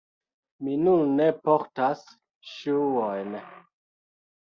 Mi nun ne portas ŝuojn